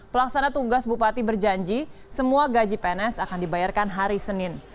pelaksana tugas bupati berjanji semua gaji pns akan dibayarkan hari senin